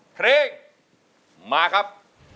เพลงมาครับ